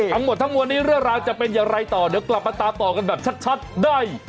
ทั้งหมดทั้งมวลนี้เรื่องราวจะเป็นอย่างไรต่อเดี๋ยวกลับมาตามต่อกันแบบชัดได้